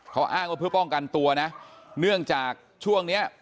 เขาอ้างว่าเพื่อป้องกันตัวนะเนื่องจากช่วงเนี้ย